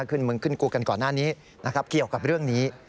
ขึ้นมึงขึ้นกูกันก่อนหน้านี้นะครับเกี่ยวกับเรื่องนี้